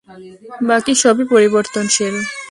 বাকি সবই পরিবর্তশীল।